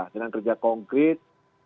dengan kerja konkret